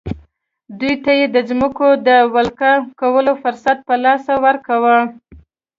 دوی ته یې د ځمکو د ولکه کولو فرصت په لاس ورکاوه.